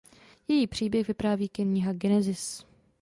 Její příběh vypráví kniha Genesis.